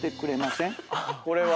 これは。